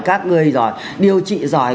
các người giỏi điều trị giỏi